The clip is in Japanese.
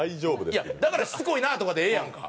だから「しつこいなあ」とかでええやんか。